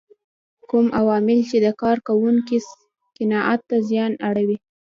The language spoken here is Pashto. کوم عوامل چې د کار کوونکو قناعت ته زیان اړوي.